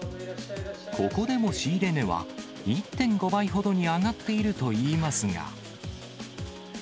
ここでも仕入れ値は、１．５倍ほどに上がっているといいますが。